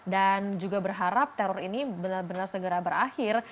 dan juga berharap teror ini benar benar segera berakhir